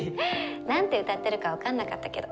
何て歌ってるか分かんなかったけど。